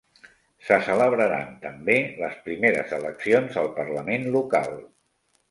Se celebraren també les primeres eleccions al parlament local.